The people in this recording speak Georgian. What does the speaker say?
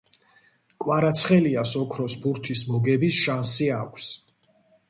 Კვარაცხელიას ოქროს ბურთის მოგების შანსი აქვს!